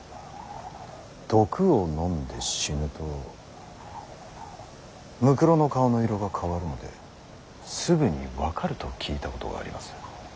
毒を飲んで死ぬとむくろの顔の色が変わるのですぐに分かると聞いたことがあります。